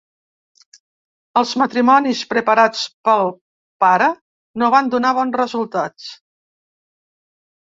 Els matrimonis preparats pel pare no van donar bon resultat.